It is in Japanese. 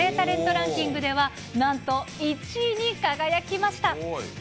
ランキングでは、なんと、１位に輝きました。